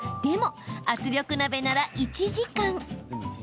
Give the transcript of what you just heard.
でも、圧力鍋なら１時間！